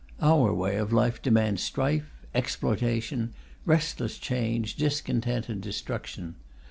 Our way of life demands strife, exploitation, restless change, discontent and destruction.